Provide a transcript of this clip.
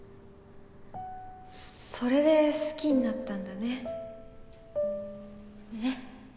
それで好きになったんだねえ？